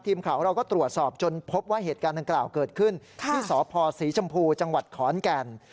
ทีมข่าวของเราก็ตรวจสอบจนพบว่าเหตุการณ์ดังกล่าวเกิดขึ้นที่สพศรีชมพูจังหวัดขอนแก่น